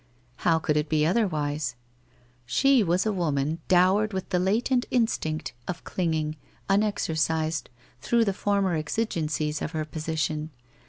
How could it be otherwise ? She was a woman dowered with the latent instinct of clinging, unexercised, through the former exigencies of her position.